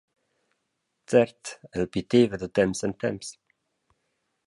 Cert, el piteva da temps en temps.